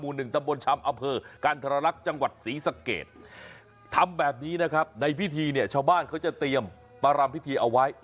เป็นตำรวจกันถราบลักษณ์จังหวัดสีสะเกดทำแบบนี้นะครับในพิธีชาวบ้านเขาจะเตรียมปรับที่ไป